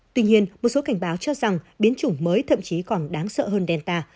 tuy nhiên một số cảnh báo cho rằng biến chủng mới thậm chí còn đáng sợ hơn delta